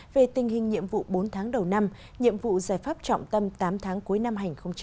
về tình hình nhiệm vụ bốn tháng đầu năm nhiệm vụ giải pháp trọng tâm tám tháng cuối năm hai nghìn hai mươi